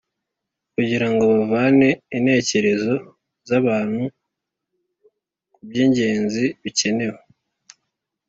kugira ngo bavane intekerezo z’abantu ku by’ingenzi bikenewe